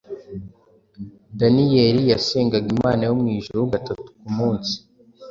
Daniyeli yasengaga Imana yo mw’ijuru gatatu ku munsi.